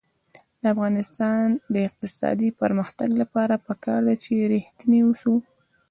د افغانستان د اقتصادي پرمختګ لپاره پکار ده چې ریښتیني اوسو.